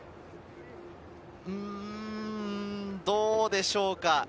うん、どうでしょうか？